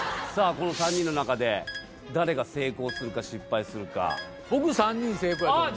この３人のなかで誰が成功するか失敗するか僕３人成功やと思うあ